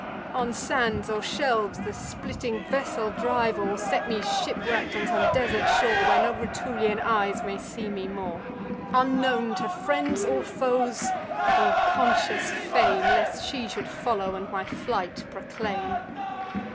On sands or shelves the splitting vessel drive; Or set me shipwreck'd on some desert shore, Where no Rutulian eyes may see me more, Unknown to friends, or foes, or conscious Fame, Lest she should follow, and my flight proclaim."